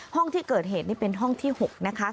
ห้องที่เกิดเหตุนี่เป็นห้องที่๖นะคะ